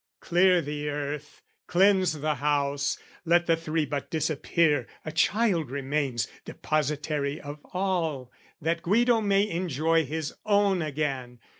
Clear the earth, Cleanse the house, let the three but disappear A child remains, depositary of all, That Guido may enjoy his own again!